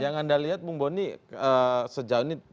yang anda lihat bung boni sejauh ini dari percaya